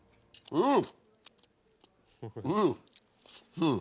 うん。